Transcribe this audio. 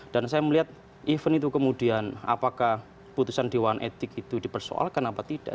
dan saya melihat even itu kemudian apakah putusan dewan etik itu dipersoalkan apa tidak